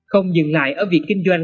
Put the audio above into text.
không dừng lại ở việc kinh doanh